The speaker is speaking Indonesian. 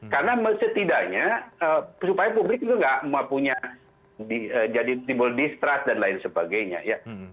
karena setidaknya supaya publik itu nggak mempunyai jadi timbul distrust dan lain sebagainya ya